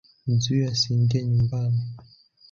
Mzuie asingie nyumbani.